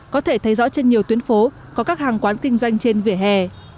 có thể thấy rõ trên nhiều tuyến phố có các hàng quán kinh doanh trên vỉa hè